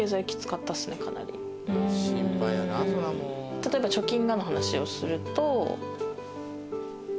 例えば貯金がの話をすると。